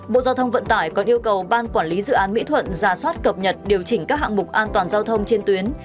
bộ giao thông vận tải còn yêu cầu ban quản lý dự án mỹ thuận giả soát cập nhật điều chỉnh các hạng mục an toàn giao thông trên tuyến